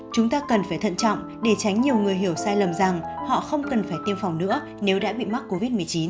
chúng ta cần phải thận trọng để tránh nhiều người hiểu sai lầm rằng họ không cần phải tiêm phòng nữa nếu đã bị mắc covid một mươi chín